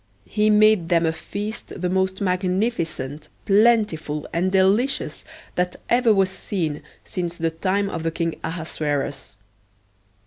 He made them a feast the most magnificent, plentiful, and delicious that ever was seen since the time of the king Ahasuerus.